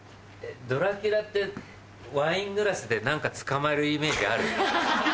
ドラキュラってワイングラスで何かつかまえるイメージある？